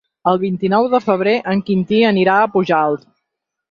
El vint-i-nou de febrer en Quintí anirà a Pujalt.